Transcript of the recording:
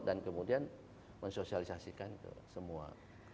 dan kemudian mensosialisasikan ke semua